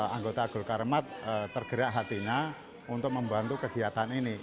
anggota agul karemat tergerak hatinya untuk membantu kegiatan ini